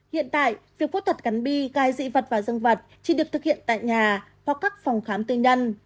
hiện tại việc phẫu thuật cắn bi cai dị vật và dân vật chỉ được thực hiện tại nhà hoặc các phòng khám tư nhân